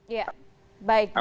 iya baik baik